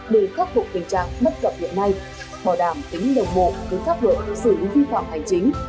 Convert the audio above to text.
để khắc phục tình trạng bất cập hiện nay bảo đảm tính đồng bộ với pháp luật xử lý vi phạm hành chính